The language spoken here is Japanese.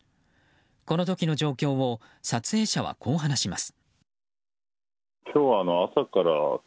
この時の状況を撮影者はこう話します。